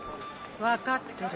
分かってる。